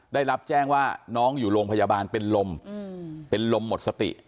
ได้รับแจ้งว่าน้องอยู่โรงพยาบาลเป็นลมเป็นลมหมดสติ